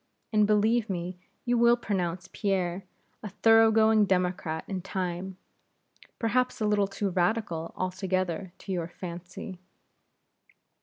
And believe me you will pronounce Pierre a thoroughgoing Democrat in time; perhaps a little too Radical altogether to your fancy.